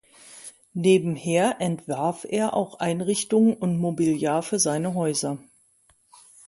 Nebenher entwarf er auch Einrichtungen und Mobiliar für seine Häuser.